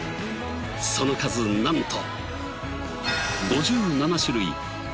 その数なんと。